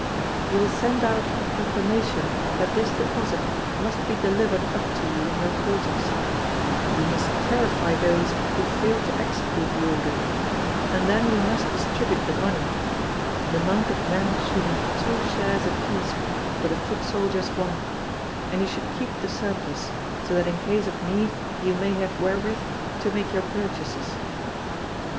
You will send out a proclamation that this deposit must be delivered up to you in your quarters; you must terrify those who fail to execute the order, and then you must distribute the money; the mounted men should have two shares apiece for the foot soldier's one; and you should keep the surplus, so that in case of need you may have wherewith to make your purchases.